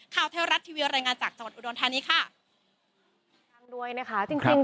ข้าวเที่ยวรัฐทีวีวแรงงานจากสวรรค์อุดรธานีค่ะด้วยนะคะจริงจริง